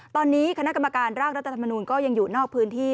ตอนนี้คณะกรรมการร่างรัฐธรรมนูลก็ยังอยู่นอกพื้นที่